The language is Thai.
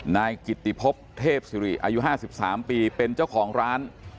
นายกิติพบเทพศิริอายุ๕๓ปีเป็นเจ้าของร้าน